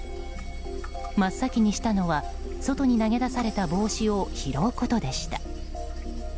真っ先にしたのは外に投げされた帽子を拾うことでした。